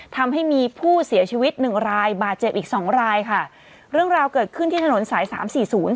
ทำให้มีผู้เสียชีวิตหนึ่งรายบาดเจ็บอีกสองรายค่ะเรื่องราวเกิดขึ้นที่ถนนสายสามสี่ศูนย์